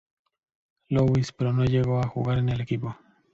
Louis, pero no llegó a jugar en el equipo.